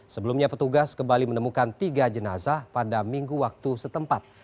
sebelumnya petugas kembali menemukan tiga jenazah pada minggu waktu setempat